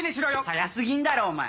早過ぎんだろお前！